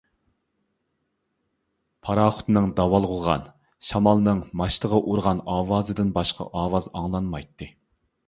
پاراخوتنىڭ داۋالغۇغان، شامالنىڭ ماچتىغا ئۇرۇلغان ئاۋازىدىن باشقا ئاۋاز ئاڭلانمايتتى.